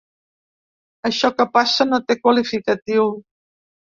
Això que passa no té qualificatiu.